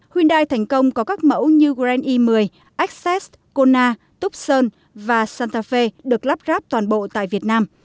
hyundai thành công có các mẫu như grand i một mươi access kona tucson và santa fe được lắp ráp toàn bộ tại việt nam